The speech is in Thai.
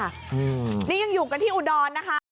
อืมนี่ยังอยู่กันที่อุดรนะคะ